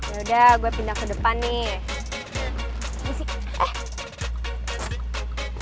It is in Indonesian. yaudah gue pindah ke depan nih